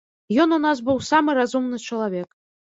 Ён у нас быў самы разумны чалавек.